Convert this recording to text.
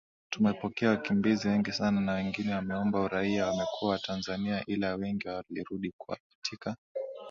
Tumepokea wakimbizi wengi sana na wengine wameomba uraia wamekuwa Watanzania ila wengi werudi katika